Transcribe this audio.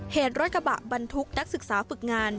เหตุรถกระบะบรรทุกนักศึกษาฝึกงาน